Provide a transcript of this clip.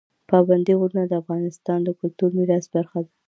پابندی غرونه د افغانستان د کلتوري میراث برخه ده.